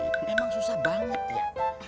memang susah banget ya